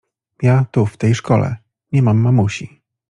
— Ja… tu… w tej szkole… nie mam mamusi…